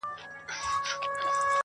د خره مرگ د سپو اختر دئ.